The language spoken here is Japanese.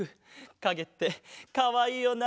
かげってかわいいよな。